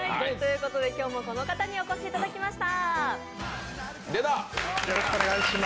今日もこの方にお越しいただきました。